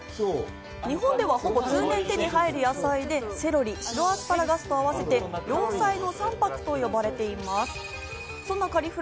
日本ではほぼ通年、手に入る野菜で、セロリや白アスパラガスと同じで洋菜の三白と呼ばれています。